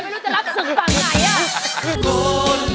ไม่รู้จะรับศึกฝั่งไหนอ่ะ